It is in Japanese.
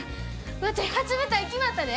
ワテ初舞台決まったで！